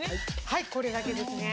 はいこれだけですね。